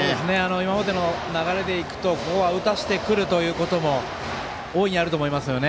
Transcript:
今までの流れでいくとここは打たせてくるということも大いにあると思いますね。